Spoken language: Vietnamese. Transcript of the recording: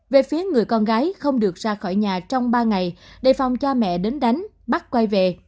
về phía người con gái không được ra khỏi nhà trong ba ngày đề phòng cha mẹ đến đánh bắt quay về